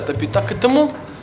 tapi tak ketemu